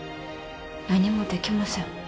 何もできません。